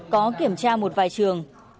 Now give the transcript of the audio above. có kiểm tra một vài trường